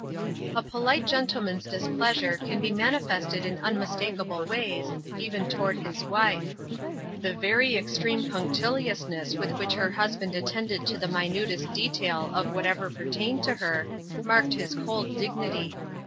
A polite gentleman's displeasure can be mani fested in unmistakable ways, even toward his wife. The very extreme punctiliousness with which her husband attended to the minutest detail of what ever pertained to her, marked his cold dignity.